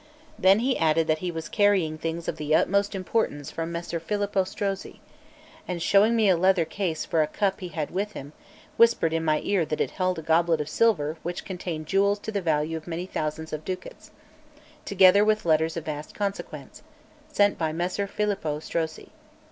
Then he added that he was carrying things of the utmost importance from Messer Filippo Strozzi; and showing me a leather case for a cup he had with him, whispered in my ear that it held a goblet of silver which contained jewels to the value of many thousands of ducats, together with letters of vast consequence, sent by Messer Filippo Strozzi.